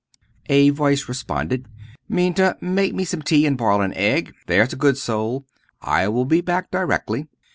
A voice responded. "Minta, make me some tea and boil an egg! there's a good soul! I will be back directly."